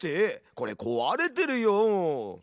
これこわれてるよ！